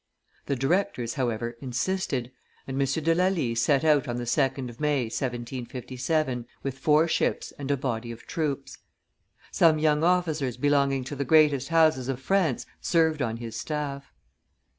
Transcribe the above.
The directors, however, insisted, and M. de Lally set out on the 2d of May, 1757, with four ships and a body of troops. Some young officers belonging to the greatest houses of France served on his staff.